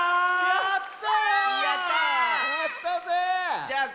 やった！